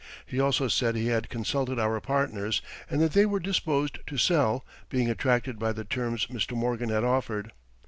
He also said he had consulted our partners and that they were disposed to sell, being attracted by the terms Mr. Morgan had offered.